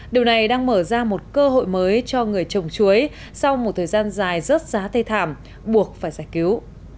điều này đang mở ra một cơ hội mới cho người trồng chuối sau một thời gian dài rớt giá tây thảm buộc phải giải cứu